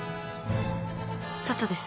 佐都です。